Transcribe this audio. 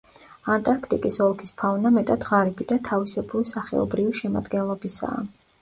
ანტარქტიკის ოლქის ფაუნა მეტად ღარიბი და თავისებური სახეობრივი შემადგენლობისაა.